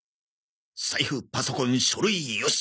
財布パソコン書類よし。